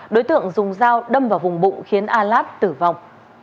đối tượng dùng dao đâm vào vùng bụng khiến a lát tử vong